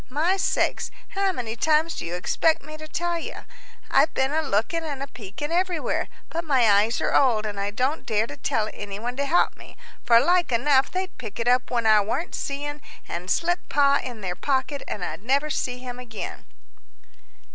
My sakes! how many times do you expect me to tell you? I've been a looking and a peeking everywhere, but my eyes are old, and I don't dare to tell any one to help me, for like enough they'd pick it up when I warn't seein', and slip Pa in their pocket, and I never'd see him again."